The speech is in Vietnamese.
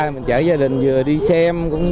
mình chở gia đình vừa đi xem